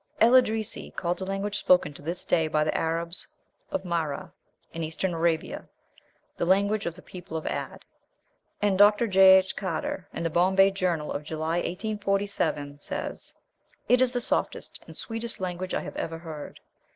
El Eldrisi called the language spoken to this day by the Arabs of Mahrah, in Eastern Arabia, "the language of the people of Ad," and Dr. J. H. Carter, in the Bombay Journal of July, 1847, says, "It is the softest and sweetest language I have ever heard."